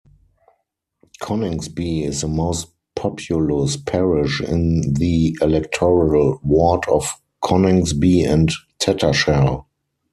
Coningsby is the most populous parish in the electoral ward of Coningsby and Tattershall.